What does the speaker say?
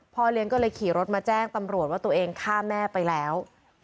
เลี้ยงก็เลยขี่รถมาแจ้งตำรวจว่าตัวเองฆ่าแม่ไปแล้ว